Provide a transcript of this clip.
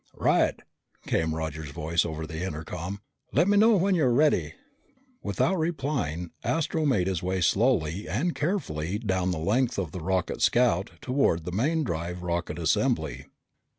"Right," came Roger's voice over the intercom. "Let me know when you're ready." Without replying, Astro made his way slowly and carefully down the length of the rocket scout toward the main drive rocket assembly.